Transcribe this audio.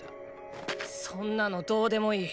そんなのどうでもいい。